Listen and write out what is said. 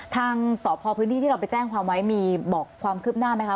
ทางสพพื้นที่ที่เราไปแจ้งความไว้มีบอกความคืบหน้าไหมคะ